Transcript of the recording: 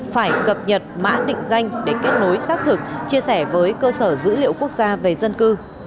phải cập nhật mã định danh để kết nối xác thực chia sẻ với cơ sở dữ liệu quốc gia về dân cư